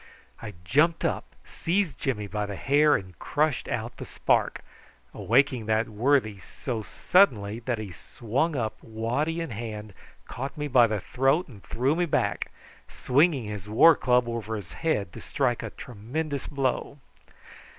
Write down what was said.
I jumped up, seized Jimmy by the hair, and crushed out the spark, awaking that worthy so sharply that he sprang up waddy in hand, caught me by the throat, and threw me back, swinging his war club over his head to strike a tremendous blow.